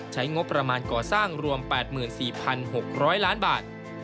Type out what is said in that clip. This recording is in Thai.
ใช้งบประมาณก่อสร้างรวม๘๔๖๐๐ล้านบาท